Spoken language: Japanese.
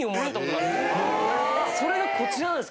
それがこちらなんです。